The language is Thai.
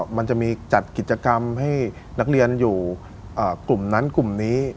มันจะมีจัดกิจกรรมให้นักเรียนอยู่กลุ่มนั้นกลุ่มนี้